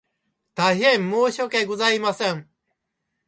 大変申し訳ございません